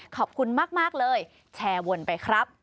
ขอบคุณมากเลยแชร์วนไปครับ